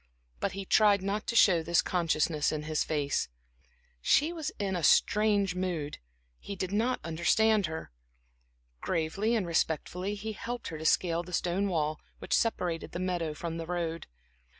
But he tried not to show this consciousness in his face. She was in a strange mood; he did not understand her. Gravely and respectfully he helped her to scale the stone wall, which separated the meadow from the road.